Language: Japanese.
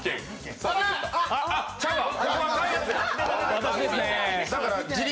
私ですね。